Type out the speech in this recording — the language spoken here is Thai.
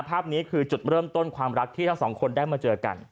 ภาพนี้คือจุดเริ่มต้นความรักที่ทั้งสองคนได้มาเจอกัน